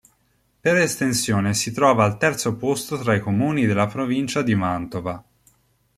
Per estensione si trova al terzo posto tra i comuni della provincia di Mantova.